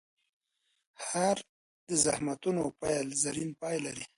هر د زخمتونو پیل، زرین پای لري.